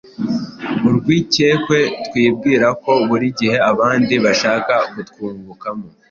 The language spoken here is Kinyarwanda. urwikekwe, twibwira ko buri gihe abandi bashaka kutwungukamo